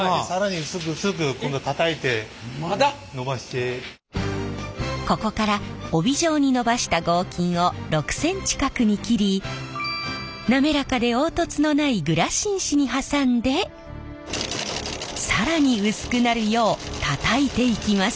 これをここから帯状にのばした合金を６ｃｍ角に切り滑らかで凹凸のないグラシン紙に挟んで更に薄くなるようたたいていきます。